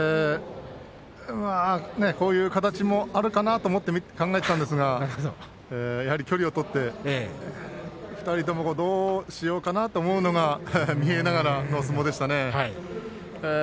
こういう形もあるかなと考えていたんですがやはり距離を取って２人ともどうしようかなと思うのが見えながらの相撲でしたね。